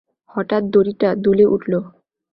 হঠাৎ দড়িটা দুলে উঠলো।